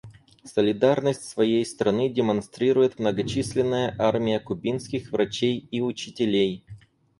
Солидарность своей страны демонстрирует многочисленная армия кубинских врачей и учителей.